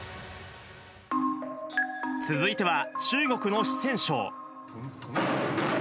続いては中国の四川省。